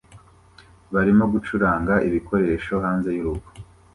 barimo gucuranga ibikoresho hanze y'urugo